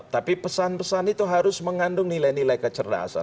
tapi pesan pesan itu harus mengandung nilai nilai kecerdasan